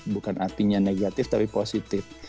bukan artinya negatif tapi positif